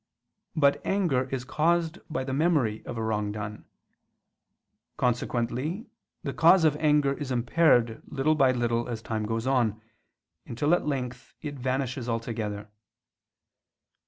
But anger is caused by the memory of a wrong done. Consequently the cause of anger is impaired little by little as time goes on, until at length it vanishes altogether.